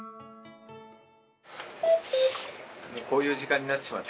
こういう時間になってしまった。